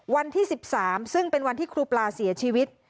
วันที่๑๓ซึ่งเป็นวันที่ครูปลาเสียชีวิต